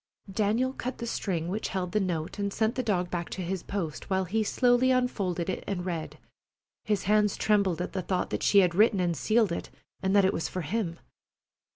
Daniel cut the string which held the note and sent the dog back to his post, while he slowly unfolded it and read, his hands trembling at the thought that she had written and sealed it, and that it was for him.